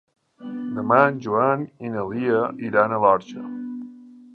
Demà en Joan i na Lia iran a l'Orxa.